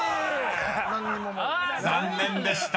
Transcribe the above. ［残念でした。